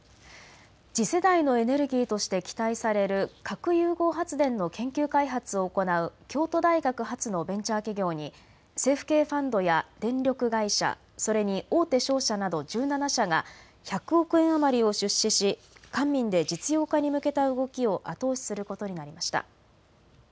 次世代のエネルギーとして期待される核融合発電の研究開発を行う京都大学発のベンチャー企業に政府系ファンドや電力会社、それに大手商社など１７社が１００億円余りを出資し官民で実用化に向けた動きを後押しすることになりました。